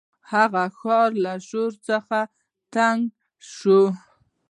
هغه د ښار له شور څخه تنګ شو.